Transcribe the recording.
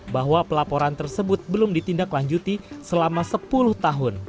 bahwa pelaporan tersebut belum ditindaklanjuti selama sepuluh tahun